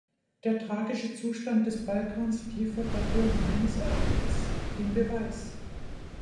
Der tragische Zustand des Balkans liefert dafür meines Erachtens den Beweis.